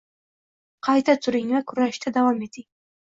Qayta turing va kurashni davom ettiring!